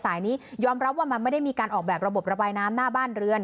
สายนี้ยอมรับว่ามันไม่ได้มีการออกแบบระบบระบายน้ำหน้าบ้านเรือน